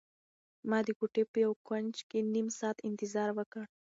ما د کوټې په یو کنج کې نيم ساعت انتظار وکړ.